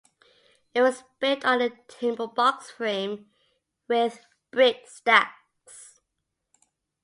It was built on a timber box frame, with brick stacks.